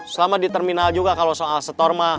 selama di terminal juga kalau soal setorma